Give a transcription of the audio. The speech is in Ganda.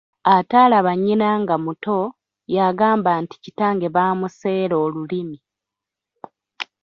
Ataalaba nnyina nga muto, yagamba nti kitange baamuseera olulimi.